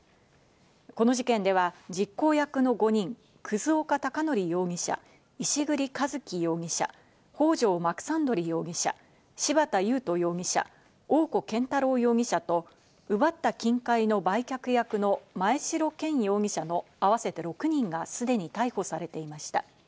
この事件では実行役の５人、葛岡隆憲容疑者、石栗一樹容疑者、北条マクサンドリ容疑者、芝田優人容疑者、大古健太郎容疑者と奪った金塊の売却役の真栄城健容疑者の合わせて６人がすでに逮捕されていました。